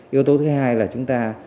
yếu tố thứ hai là chúng ta